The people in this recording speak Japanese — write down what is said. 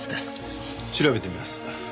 調べてみます。